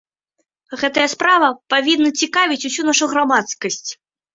Гэтая справа павінна цікавіць усю нашу грамадскасць.